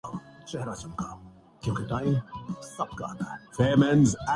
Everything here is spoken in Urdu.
شاہد افریدی کا کشمیر سے متعلق بیانبھارتی کرکٹرز کو اگ لگ گئی